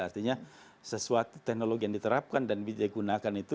artinya sesuatu teknologi yang diterapkan dan digunakan itu